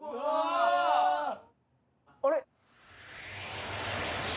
あれ？